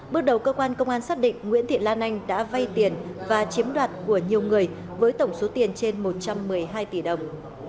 bước đầu cơ quan công an xác định nguyễn thị lan anh đã vay tiền và chiếm đoạt của nhiều người với tổng số tiền trên một trăm một mươi hai tỷ đồng